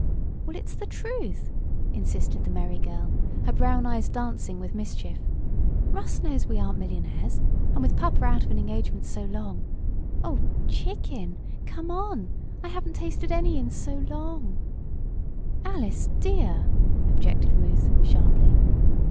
"Well, it's the truth!" insisted the merry girl, her brown eyes dancing with mischief. "Russ knows we aren't millionaires, and with papa out of an engagement so long oh, chicken! Come on. I haven't tasted any in so long " "Alice dear!" objected Ruth, sharply.